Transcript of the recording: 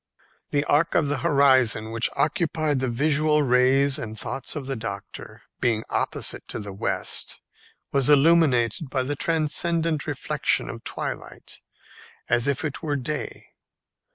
The arc of the horizon which occupied the visual rays and thoughts of the doctor, being opposite to the west, was illuminated by the transcendent reflection of twilight, as if it were day.